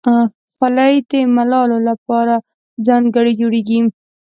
خولۍ د ملالو لپاره هم ځانګړې جوړیږي.